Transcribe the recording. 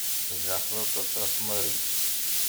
Tzeɛfeḍ aṭas ɣef Mary.